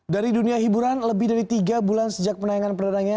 dari dunia hiburan lebih dari tiga bulan sejak penayangan perdananya